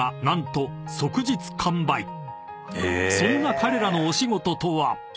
［そんな彼らのお仕事とは？］